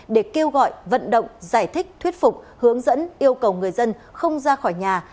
để kêu gọi vận động giải thích thuyết phục hướng dẫn yêu cầu người dân không ra khỏi nhà